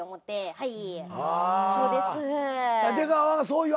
はい。